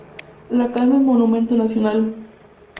La casa es Monumento nacional.